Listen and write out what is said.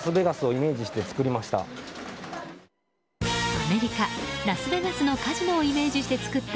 アメリカ・ラスベガスのカジノをイメージして作った